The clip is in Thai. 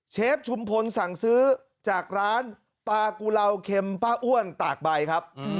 ชุมพลสั่งซื้อจากร้านปลากุลาวเค็มป้าอ้วนตากใบครับ